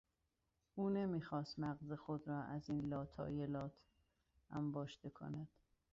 او نمیخواست مغز خود را از این لاطایلات انباشته کند.